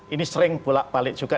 ini sering bolak balik juga